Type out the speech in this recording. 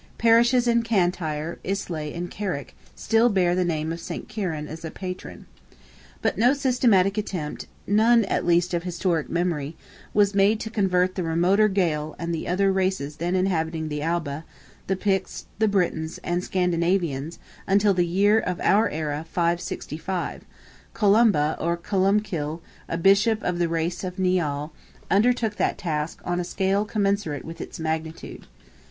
Parishes in Cantyre, in Islay, and in Carrick, still bear the name of St. Kieran as patron. But no systematic attempt—none at least of historic memory—was made to convert the remoter Gael and the other races then inhabiting Alba—the Picts, Britons, and Scandinavians, until the year of our era, 565, Columba or COLUMBKILL, a Bishop of the royal race of Nial, undertook that task, on a scale commensurate with its magnitude.